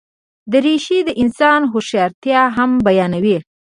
دریشي د انسان هوښیارتیا هم بیانوي.